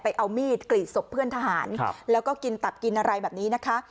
เอามีดกรีดศพเพื่อนทหารแล้วก็กินตับกินอะไรแบบนี้นะคะ